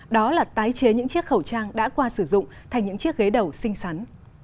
đó là tái chế những chiếc khẩu trang đã qua sử dụng thành những chiếc ghế đầu xinh xắn